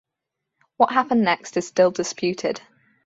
What happened next is still disputed.